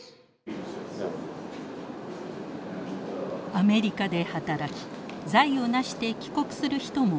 アメリカで働き財を成して帰国する人も相次いでいます。